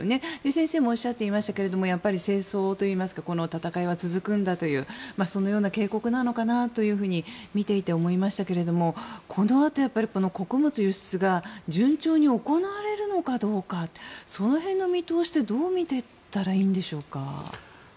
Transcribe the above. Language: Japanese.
先生もおっしゃっていましたけど戦争といいますかこの戦いは続くんだというそのような警告なのかなと見ていて思いましたけれどもこのあと、穀物輸出が順調に行われるのかどうかその辺の見通しってどう見ていったらいいんでしょうか。